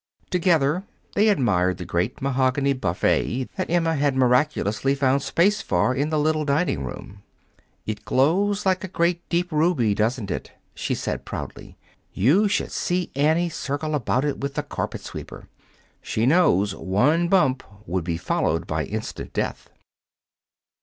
Together they admired the great mahogany buffet that Emma had miraculously found space for in the little dining room. "It glows like a great, deep ruby, doesn't it?" she said proudly. "You should see Annie circle around it with the carpet sweeper. She knows one bump would be followed by instant death."